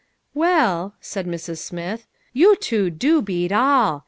" Well," said Mrs. Smith, " you two do beat all